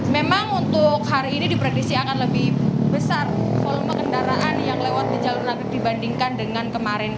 memang untuk hari ini diprediksi akan lebih besar volume kendaraan yang lewat di jalur nagri dibandingkan dengan kemarin